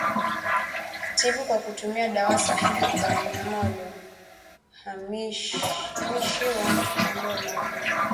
Tibu kwa kutumia dawa sahihi kwa wanyama waliohamishiwa maeneo mapya